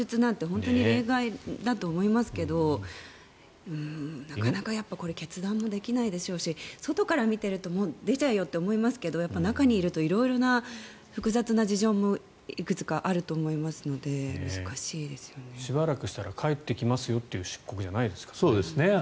本当に例外だと思いますけどなかなかやっぱりこれは決断もできないでしょうし外から見ていると出ちゃえよって思いますけど中にいると色々な複雑な事情もいくつかあると思いますのでしばらくしたら帰ってきますよという出国じゃないですからね。